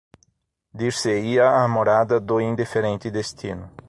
Dir-se-ia a morada do indiferente Destino.